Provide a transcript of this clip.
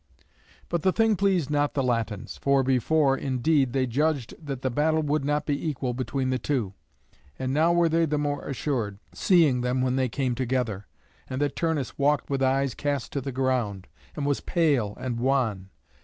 But the thing pleased not the Latins; for before, indeed, they judged that the battle would not be equal between the two; and now were they the more assured, seeing them when they came together, and that Turnus walked with eyes cast to the ground, and was pale and wan.